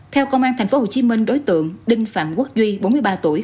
theo công an tp hcm đối tượng đinh phạm quốc duy bốn mươi ba tuổi